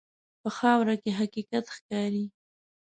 په خاوره کې حقیقت ښکاري.